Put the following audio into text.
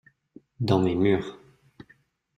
Dans mes murs.